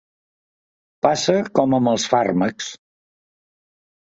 Passa com amb els fàrmacs.